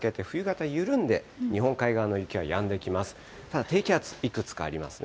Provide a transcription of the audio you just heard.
ただ低気圧、いくつかありますね。